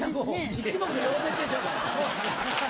一目瞭然でしょそれ。